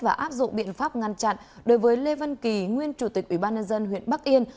và áp dụng biện pháp ngăn chặn đối với lê vân kỳ nguyên chủ tịch ủy ban nhân dân huyện bắc yên